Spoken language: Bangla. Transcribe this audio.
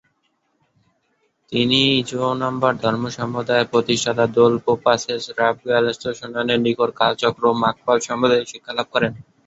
তিনি জো-নম্বর ধর্মসম্প্রদায়ের প্রতিষ্ঠাতা দোল-পো-পা-শেস-রাব-র্গ্যাল-ম্ত্শানের নিকট কালচক্র ও মার্গফল সম্বন্ধে শিক্ষালাভ করেন।